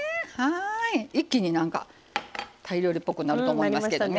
一気になんかタイ料理っぽくなると思いますけどね。